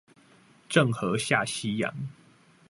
鄭和下西洋